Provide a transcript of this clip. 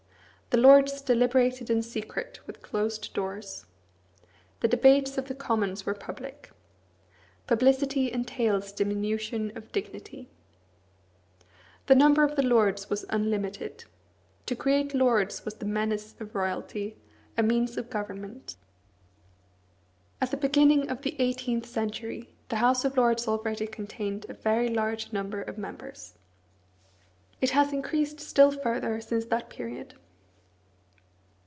The Lords deliberated in secret, with closed doors. The debates of the Commons were public. Publicity entails diminution of dignity. The number of the Lords was unlimited. To create Lords was the menace of royalty; a means of government. At the beginning of the eighteenth century the House of Lords already contained a very large number of members. It has increased still further since that period.